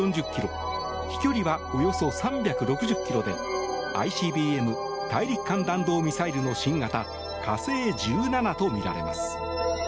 飛距離はおよそ３６０ｋｍでＩＣＢＭ・大陸間弾道ミサイルの新型「火星１７」とみられます。